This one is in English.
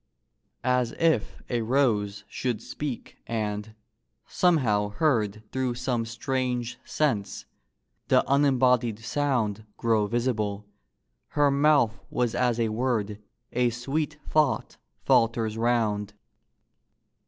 As if a rose should speak and, somehow heard Thro' some strange sense, the unembodied sound Grow visible, her mouth was as a word A sweet thought falters round.